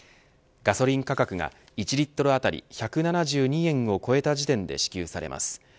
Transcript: ガソリン価格が１リットル当たり１７２円を超えた時点で支給されます。